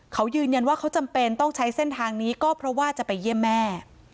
เขายืนยันว่าเขาจำเป็นต้องใช้เส้นทางนี้ก็เพราะว่าจะไปเยี่ยมแม่